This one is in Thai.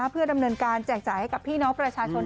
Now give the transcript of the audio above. เพื่อดำเนินการแจกจ่ายให้กับพี่น้องประชาชน